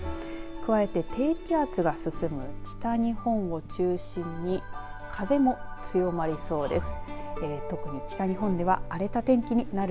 加えて低気圧が進む北日本を中心に風も強まりそうです。